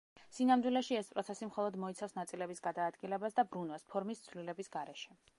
სინამდვილეში, ეს პროცესი მხოლოდ მოიცავს ნაწილების გადაადგილებას და ბრუნვას, ფორმის ცვლილების გარეშე.